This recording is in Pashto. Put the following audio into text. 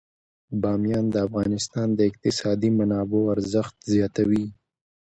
بامیان د افغانستان د اقتصادي منابعو ارزښت زیاتوي.